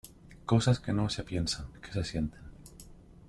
cosas que no se piensan, que se sienten.